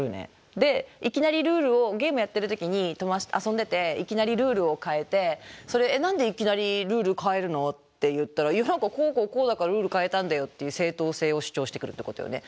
でいきなりルールをゲームやってる時に友達と遊んでていきなりルールを変えて「それえっ何でいきなりルール変えるの？」って言ったら「こうこうこうだからルール変えたんだよ」っていう正当性を主張してくるってことよね？